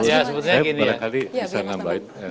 ya sebetulnya gini ya